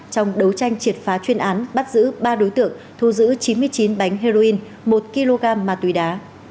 trong đấu tranh triệt phá chuyên án bắt giữ ba đối tượng thu giữ chín mươi chín bánh heroin một kg ma túy đá